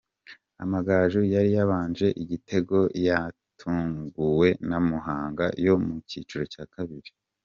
Amagaju yari yabanje igitego, yatunguwe na Muhanga yo mu cyiciro cya kabiri.